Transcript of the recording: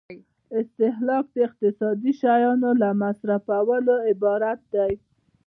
استهلاک د اقتصادي شیانو له مصرفولو عبارت دی.